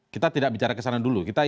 kita tidak bicara kesana dulu